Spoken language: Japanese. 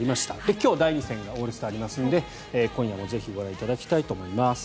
今日は第２戦がオールスターありますので今夜もぜひご覧いただきたいと思います。